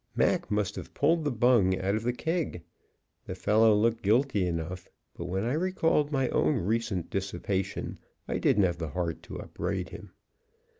Mac must have pulled the bung out of the keg. The fellow looked guilty enough, but, when I recalled my own recent dissipation, I didn't have the heart to upbraid him.